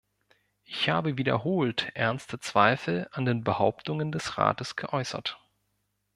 Ich habe wiederholt ernste Zweifel an den Behauptungen des Rates geäußert.